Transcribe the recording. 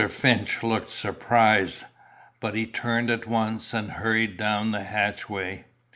Pinch looked surprised, but he turned at once, and hurried down the hatchway.